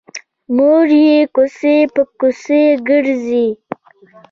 مور یې کوڅه په کوڅه ګرځي